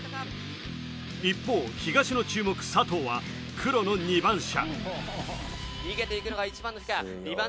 一方、東の注目・佐藤は黒の２番車。